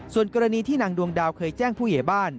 ส่วนกรณีที่นางดวงดาวเคยแจ้งผู้ใหญ่บ้าน